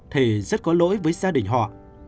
thì rất có lỗi với gia đình họ